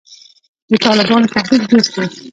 د طالبانو تحريک جوړ سو.